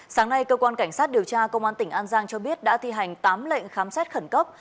sáng nay cơ quan cảnh sát điều tra công an tỉnh an giang cho biết đã thi hành tám lệnh khám xét khẩn cấp